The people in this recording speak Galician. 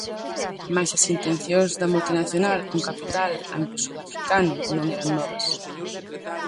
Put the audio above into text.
Mais as intencións da multinacional, con capital anglosudafricano, non eran novas.